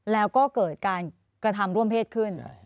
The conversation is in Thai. แล้วก็เกิดการกระทำร่วมเพศขึ้น